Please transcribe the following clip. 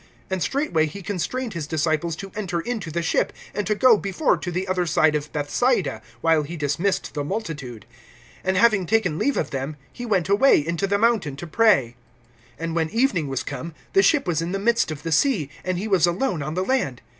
(45)And straightway he constrained his disciples to enter into the ship, and to go before to the other side to Bethsaida, while he dismissed the multitude. (46)And having taken leave of them, he went away into the mountain to pray. (47)And when evening was come, the ship was in the midst of the sea, and he was alone on the land.